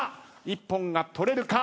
一本が取れるか。